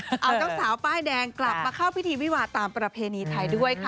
เอาเจ้าสาวป้ายแดงกลับมาเข้าพิธีวิวาตามประเพณีไทยด้วยค่ะ